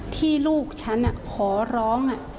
ที่ลูกฉันขอร้อง